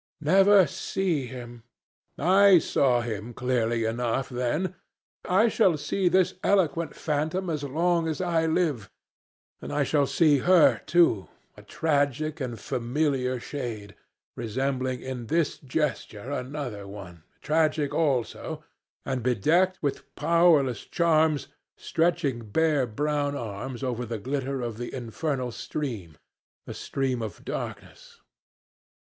Never see him! I saw him clearly enough then. I shall see this eloquent phantom as long as I live, and I shall see her too, a tragic and familiar Shade, resembling in this gesture another one, tragic also, and bedecked with powerless charms, stretching bare brown arms over the glitter of the infernal stream, the stream of darkness.